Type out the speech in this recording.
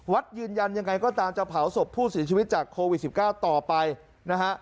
ยืนยันยังไงก็ตามจะเผาศพผู้เสียชีวิตจากโควิด๑๙ต่อไปนะฮะ